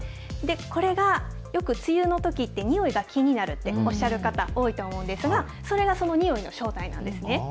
これがよく梅雨のときってにおいが気になるっておっしゃる方、多いと思うんですが、それがそのにおいの正体なんですね。